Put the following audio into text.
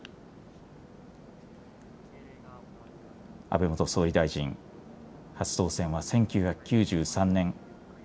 安倍元総理大臣、初当選は１９９３年。